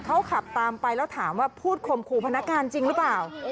เขาขับตามไปแล้วถามว่าพูดข่มขู่พนักงานจริงหรือเปล่า